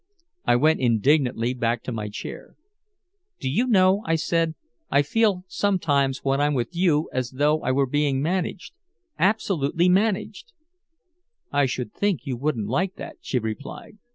I went indignantly back to my chair. "Do you know," I said, "I feel sometimes when I'm with you as though I were being managed! Absolutely managed!" "I should think you wouldn't like that," she replied.